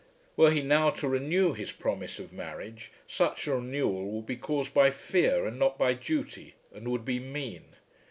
Were he now to renew his promise of marriage, such renewal would be caused by fear and not by duty, and would be mean.